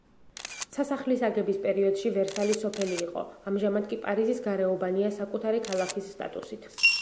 სასახლის აგების პერიოდში ვერსალი სოფელი იყო, ამჟამად კი პარიზის გარეუბანია საკუთარი ქალაქის სტატუსით.